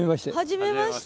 はじめまして。